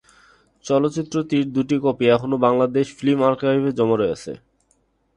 চলচ্চিত্রটির দুইটি কপি এখনো বাংলাদেশ ফিল্ম আর্কাইভে জমা আছে।